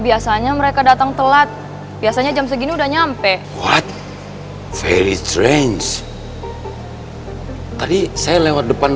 biasanya mereka datang telat biasanya jam segini udah nyampe sayange tadi saya lewat depan